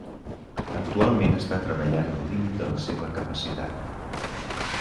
Actualment està treballant al límit de la seva capacitat.